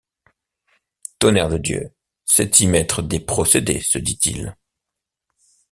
Tonnerre de Dieu! c’est y mettre des procédés, se dit-il.